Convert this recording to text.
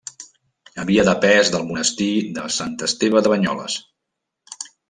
Havia depès del Monestir de Sant Esteve de Banyoles.